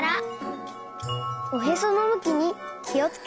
おへそのむきにきをつけて。